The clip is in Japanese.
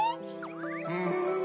うん！